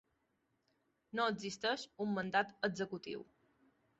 No existeix un mandat executiu.